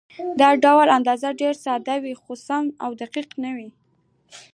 دا ډول اندازه ډېره ساده وه، خو سمه او دقیقه نه وه.